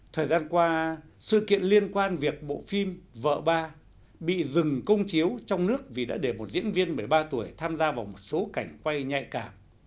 thời gian qua sự kiện liên quan việc bộ phim vợ ba bị dừng công chiếu trong nước vì đã để một diễn viên một mươi ba tuổi tham gia vào một số cảnh quay nhạy cảm